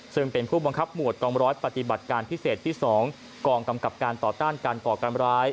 ซึ่งเป็นผู้บังคับหมวดกองร้อยปฏิบัติการพิเศษที่๒กองกำกับการต่อต้านการก่อการร้าย